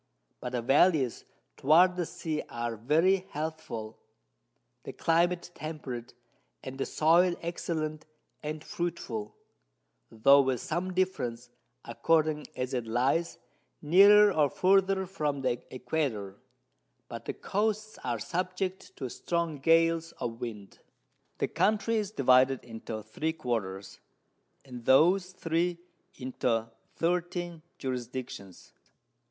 But the Vallies toward the Sea are very healthful, the Climate temperate, and the Soil excellent and fruitful, tho' with some difference, according as it lies nearer or further from the Equator; but the Coasts are subject to strong Gales of Wind. The Country is divided into 3 Quarters, and those 3 into 13 Jurisdictions.